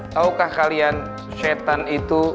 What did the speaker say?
tahukah kalian syaitan itu